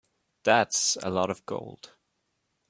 That's a lot of gold.